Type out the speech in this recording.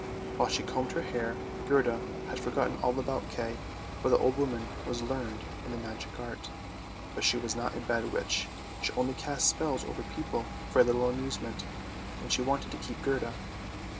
While she combed her hair Gerda had forgotten all about Kay, for the old woman was learned in the magic art, but she was not a bad witch, she only cast spells over people for a little amusement, and she wanted to keep Gerda.